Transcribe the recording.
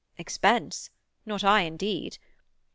"Expense? Not I, indeed!